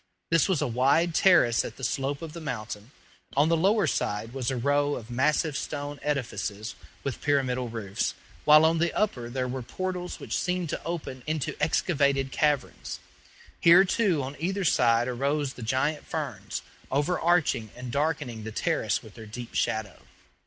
This was a wide terrace at the slope of the mountain; on the lower side was a row of massive stone edifices with pyramidal roofs, while on the upper there were portals which seemed to open into excavated caverns. Here, too, on either side arose the giant ferns, overarching and darkening the terrace with their deep shadow.